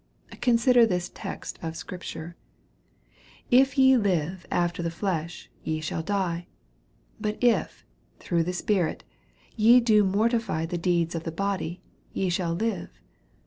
Consider this text of scripture, Ifye live after the Jlesh, ye shall die ; but if, through the Spirit, ye do mortify the deeds of the body, ye shall live.